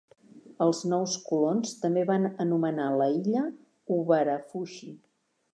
Els nous colons també van anomenar la illa "Huvarafushi".